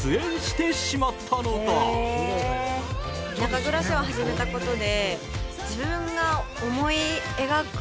田舎暮らしを始めたことで。